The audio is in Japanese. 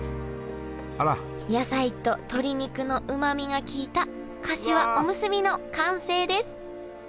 野菜と鶏肉のうまみが効いたかしわおむすびの完成です